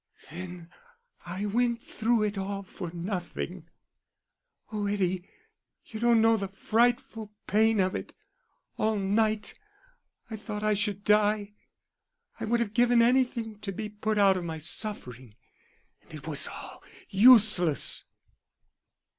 "Then I went through it all for nothing.... Oh, Eddie, you don't know the frightful pain of it all night I thought I should die.... I would have given anything to be put out of my suffering. And it was all useless."